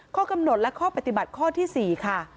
ข้อกำหนดและข้อปฏิบัติข้อที่๔ค่ะ